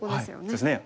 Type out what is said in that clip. そうですね。